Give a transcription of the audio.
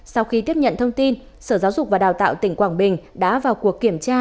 sau khi tiếp nhận thông tin sở giáo dục và đào tạo tỉnh quảng bình đã vào cuộc kiểm tra